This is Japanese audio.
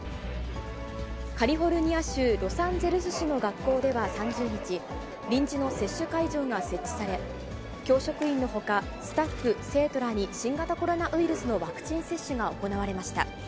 カリフォルニア州ロサンゼルス市の学校では３０日、臨時の接種会場が設置され、教職員のほか、スタッフ、生徒らに新型コロナウイルスのワクチン接種が行われました。